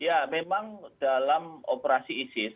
ya memang dalam operasi isis